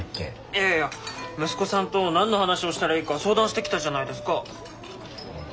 いやいや息子さんと何の話をしたらいいか相談してきたじゃないですか。